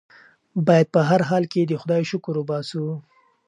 بايد په هر حال کې د خدای شکر وباسو.